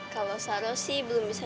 kalau sarah sih belum bisa